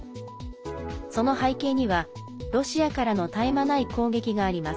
その背景には、ロシアからの絶え間ない攻撃があります。